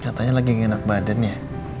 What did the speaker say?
katanya lagi enak badan ya